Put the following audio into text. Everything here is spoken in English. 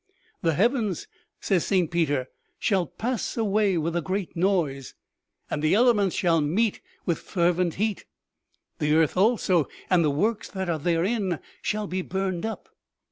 ' The heavens,' says St. Peter, ' shall pass away with a great noise, and the elements shall meet with fer vent heat, the earth also and the works that are therein shall be burned up.'